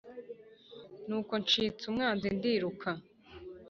N’uko ncitse umwanzi ndiruka